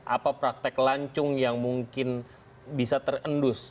apa praktek lancung yang mungkin bisa terendus